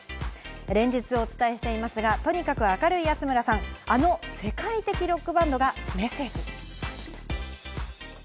連日お伝えしていますが、とにかく明るい安村さん、あの世界的ロックバンドがメッセージ。